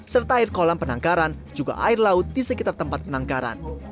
serta air kolam penangkaran juga air laut di sekitar tempat penangkaran